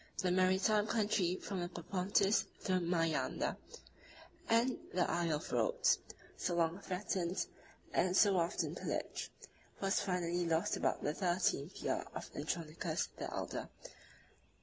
The maritime country from the Propontis to the Mæander and the Isle of Rhodes, so long threatened and so often pillaged, was finally lost about the thirteenth year of Andronicus the Elder.